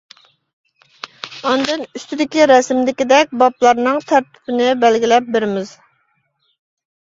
ئاندىن ئۈستىدىكى رەسىمدىكىدەك، بابلارنىڭ تەرتىپىنى بەلگىلەپ بېرىمىز.